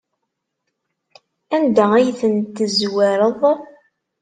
Anda ay tent-tezwareḍ?